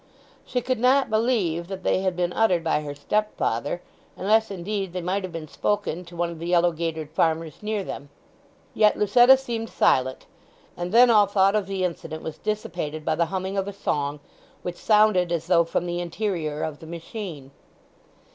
She could not believe that they had been uttered by her stepfather; unless, indeed, they might have been spoken to one of the yellow gaitered farmers near them. Yet Lucetta seemed silent, and then all thought of the incident was dissipated by the humming of a song, which sounded as though from the interior of the machine.